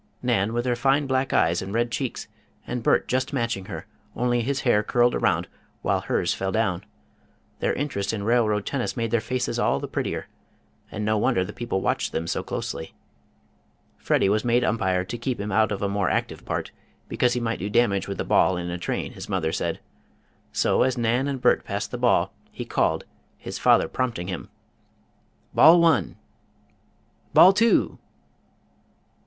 Nan with her fine back eyes and red cheeks, and Bert just matching her; only his hair curled around, while hers fell down. Their interest in Railroad Tennis made their faces all the prettier, and no wonder the people watched them so closely. Freddie was made umpire, to keep him out of a more active part, because he might do damage with a ball in a train, his mother said; so, as Nan and Bert passed the ball, he called, his father prompting him: "Ball one!" "Ball two!"